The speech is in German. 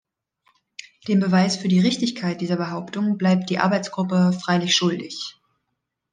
Den Beweis für die Richtigkeit dieser Behauptung bleibt die Arbeitsgruppe freilich schuldig.